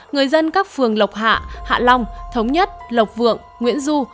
người dân các phường lộc hạ hạ long thống nhất lộc vượng nguyễn du